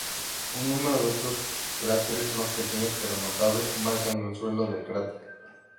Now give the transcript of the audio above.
Un número de otros cráteres más pequeños, pero notables, marcan el suelo del cráter.